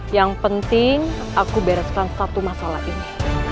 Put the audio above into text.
yang penting aku bereskan satu masalah ini